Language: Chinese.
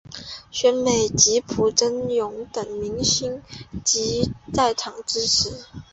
宣美及朴轸永等明星亦到场支持。